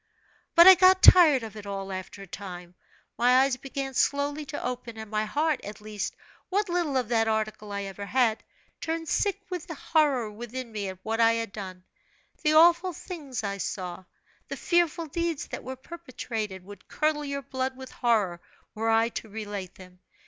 But I got tired of it all, after a time: my eyes began slowly to open, and my heart at least, what little of that article I ever had turned sick with horror within me at what I had done. The awful things I saw, the fearful deeds that were perpetrated, would curdle your very blood with horror, were I to relate them.